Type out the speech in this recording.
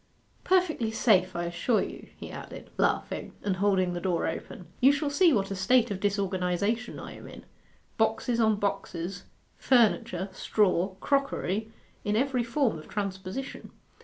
'Perfectly safe, I assure you,' he added, laughing, and holding the door open. 'You shall see what a state of disorganization I am in boxes on boxes, furniture, straw, crockery, in every form of transposition.